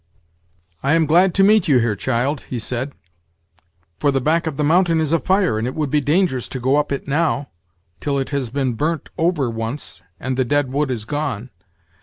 "I am glad to meet you here, child," he said; "for the back of the mountain is a fire, and it would be dangerous to go up it now, till it has been burnt over once, and the dead wood is gone.